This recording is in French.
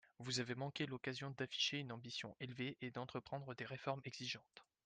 Vous avez manqué l’occasion d’afficher une ambition élevée et d’entreprendre des réformes exigeantes.